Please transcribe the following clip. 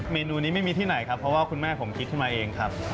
เมนูนี้ไม่มีที่ไหนครับเพราะว่าคุณแม่ผมคิดขึ้นมาเองครับ